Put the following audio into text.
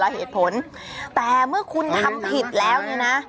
เหตุผลแต่เมื่อคุณทำผิดแล้วเนี่ยนะ